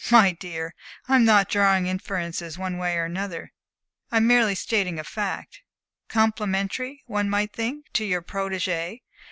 "My dear, I'm not drawing inferences one way or another. I merely stated a fact complimentary, one might think, to your protegée.